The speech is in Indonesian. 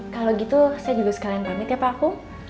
kalo gitu saya juga sekalian pamit ya pak kum